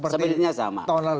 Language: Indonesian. seperti tahun lalu ya